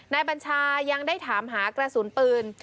บัญชายังได้ถามหากระสุนปืน